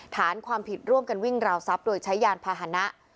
ฐานความผิดร่วมกันวิ่งราวทรัพย์โดยใช้ยานพาหนะ